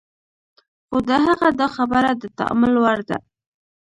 خو د هغه دا خبره د تأمل وړ ده.